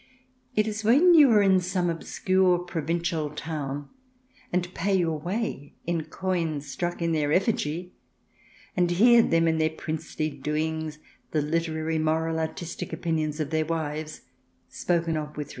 It is when you are in some obscure provincial town, and pay your way in coin struck in their effigy, and hear them and their princely doings, the literary, moral, artistic opinions of their wives spoken of with 102 THE DESIRABLE ALIEN [ch.